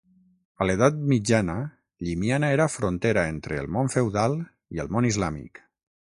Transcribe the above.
A l'edat mitjana, Llimiana era frontera entre el món feudal i el món islàmic.